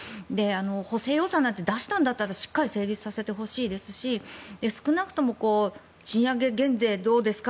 補正予算なんて出したんだったらしっかり成立させてほしいですし少なくとも賃上げ減税どうですか？